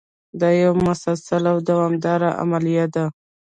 دا یوه مسلسله او دوامداره عملیه ده.